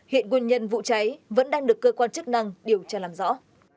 hiện nguyên nhân vụ cháy vẫn đang được cơ quan chức năng điều tra làm rõ